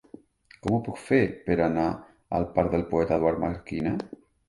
Com ho puc fer per anar al parc del Poeta Eduard Marquina?